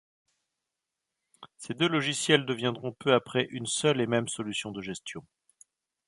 Ces deux logiciels deviendront peu après une seule et même solution de gestion.